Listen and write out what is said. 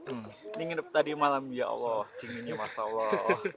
ini nginep tadi malam ya allah dinginnya masya allah